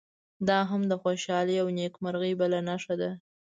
دا هم د خوشالۍ او نیکمرغۍ بله نښه ده.